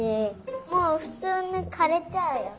もうふつうにかれちゃうよ。